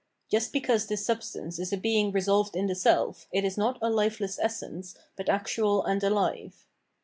Just because this substance is a being resolved in the self, it is not a lifeless essence, but actual and ahve.